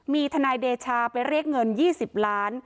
มีทนายเดชาไปเรียกเงิน๒๐ล้าน